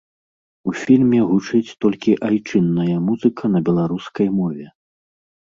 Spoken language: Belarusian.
У фільме гучыць толькі айчынная музыка на беларускай мове.